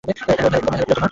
Hello, Priyotoma.